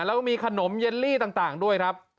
แล้วก็มีขนมเย็นลี่ต่างด้วยครับ